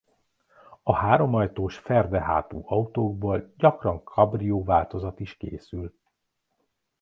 A háromajtós ferde hátú autókból gyakran kabrió változat is készül.